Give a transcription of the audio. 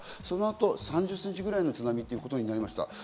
そのあと３０センチぐらいの津波ということになりました。